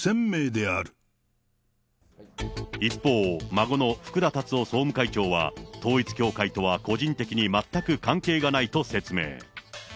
一方、孫の福田達夫総務会長は、統一教会とは個人的に全く関係がないと説明。